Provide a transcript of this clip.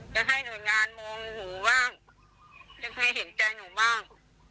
จะให้หน่วยงานมองหูบ้างยังไงเห็นใจหนูบ้าง